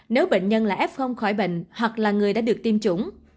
nếu bệnh nhân là f khỏi bệnh hoặc là người đã được tiêm chủng